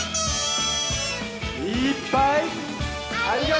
いっぱい。